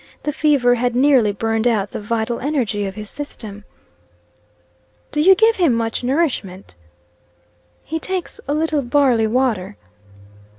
The fever had nearly burned out the vital energy of his system. "Do you give him much nourishment?" "He takes a little barley water."